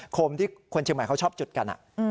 คมที่คนเชียงใหม่เขาชอบจุดกัน